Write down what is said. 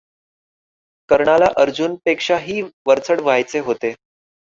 कर्णाला अर्जुनापेक्षा वरचढ व्हायचे होते.